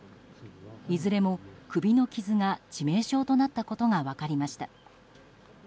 いずれも首の傷が、致命傷となったことが分かりました。